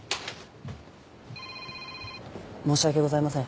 申し訳ございません。